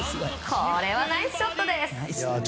これはナイスショットです。